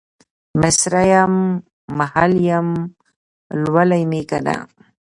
مصریم ، محل یمه ، لولی مې کنه